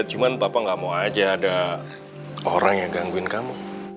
cuma bapak nggak mau aja ada orang yang gangguin kamu